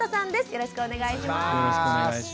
よろしくお願いします。